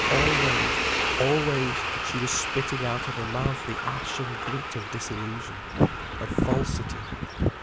Always, always she was spitting out of her mouth the ash and grit of disillusion, of falsity.